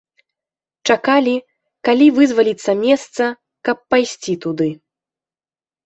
Чакалі, калі вызваліцца месца, каб пайсці туды.